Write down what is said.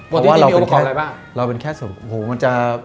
บทที่ดีมีอุปกรณ์อะไรบ้าง